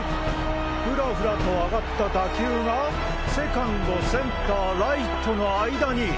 フラフラと上がった打球がセカンドセンターライトの間に。